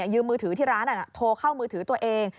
ยืมมือถือที่ร้านโทรเข้ามือถือตัวเอง